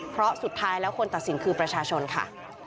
เพราะสุดท้ายแล้วคนตัดสินคือประชาชนค่ะ